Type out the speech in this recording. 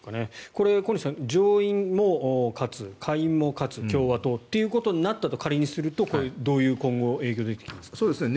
これは小西さん上院も勝つ下院も勝つ共和党となったと仮にするとどういう影響が出てきますか。